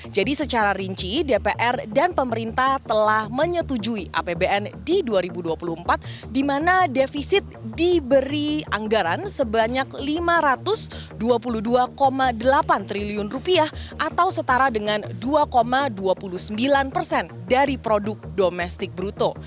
jadi secara rinci dpr dan pemerintah telah menyetujui apbn di dua ribu dua puluh empat di mana defisit diberi anggaran sebanyak lima ratus dua puluh dua delapan triliun rupiah atau setara dengan dua dua puluh sembilan persen dari produk domestik bruto